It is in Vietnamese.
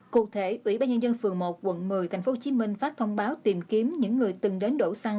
cụ thể ủy ban nhân dân phường một quận một mươi tp hcm phát thông báo tìm kiếm những người từng đến đổ xăng